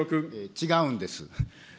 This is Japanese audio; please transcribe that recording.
違うんです。